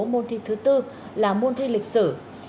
môn thi thứ bốn là môn thi lịch sử